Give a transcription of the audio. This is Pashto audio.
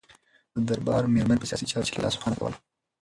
د دربار میرمنو په سیاسي چارو کې لاسوهنه کوله.